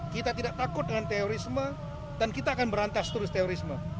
kita tidak takut dengan teorisme dan kita akan berantas terus terorisme